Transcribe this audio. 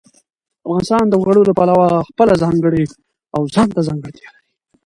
افغانستان د وګړي له پلوه خپله ځانګړې او ځانته ځانګړتیا لري.